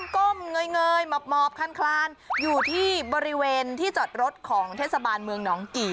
ก้มเงยหมอบคันคลานอยู่ที่บริเวณที่จอดรถของเทศบาลเมืองหนองกี่